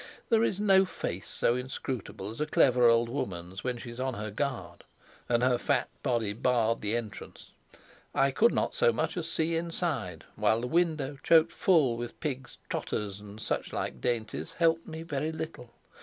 There is no face so inscrutable as a clever old woman's when she is on her guard. And her fat body barred the entrance; I could not so much as see inside, while the window, choked full with pigs' trotters and such like dainties, helped me very little.